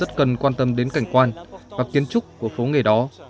rất cần quan tâm đến cảnh quan và kiến trúc của phố nghề đó